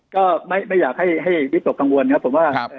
ก็ไม่อยากให้วิตกกังวลครับผมว่า